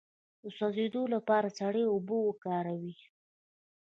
د سوځیدو لپاره سړې اوبه وکاروئ